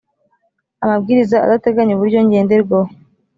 amabwiriza adateganya uburyo ngenderwaho